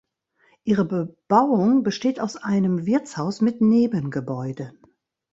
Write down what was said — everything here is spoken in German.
Ihre Bebauung besteht aus einem Wirtshaus mit Nebengebäuden.